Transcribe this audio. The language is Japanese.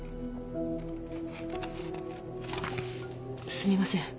すみません。